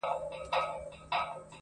سپوږميه کړنگ وهه راخېژه وايم.